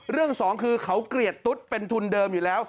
สองคือเขาเกลียดตุ๊ดเป็นทุนเดิมอยู่แล้ว